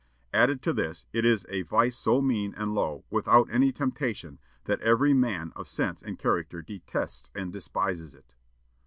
Added to this, it is a vice so mean and low, without any temptation, that every man of sense and character detests and despises it."